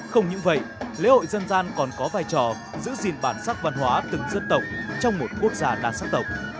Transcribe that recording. không những vậy lễ hội dân gian còn có vai trò giữ gìn bản sắc văn hóa từng dân tộc trong một quốc gia đa sắc tộc